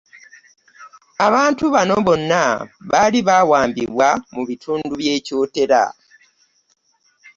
Abantu bano bonna baali baawambibwa mu bitundu by'e Kyotera.